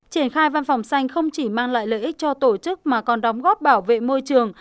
triển khai văn phòng xanh không chỉ mang lại lợi ích cho tổ chức mà còn đóng góp bảo vệ môi trường